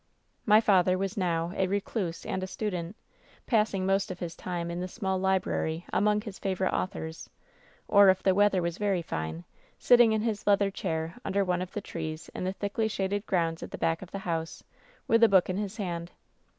"My father was now a recluse and a student, passing most of his time in the small library amon^ his favorite authors, or, if the weather was very fine, sitting in hij 5816 WHEN SHADOWS DIE leather chair under one of the trees in the thickly shaded grounds at the back of the house, with a book in his hand.